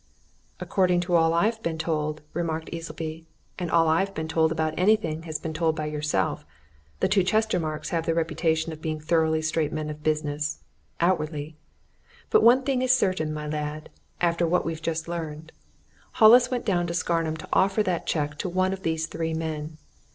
"According to all I've been told," remarked Easleby, "and all I've been told about anything has been told by yourself, the two Chestermarkes have the reputation of being thoroughly straight men of business outwardly. But one thing is certain, my lad, after what we've just learned Hollis went down to Scarnham to offer that cheque to one of these three men.